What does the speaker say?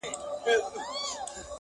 چي مي ښکار وي په هر ځای کي پیداکړی!.